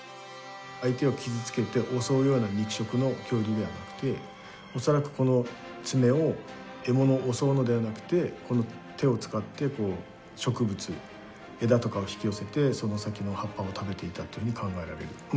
相手を傷つけて襲うような肉食の恐竜ではなくて恐らくこの爪を獲物を襲うのではなくてこの手を使って植物枝とかを引き寄せてその先の葉っぱを食べていたというふうに考えられる。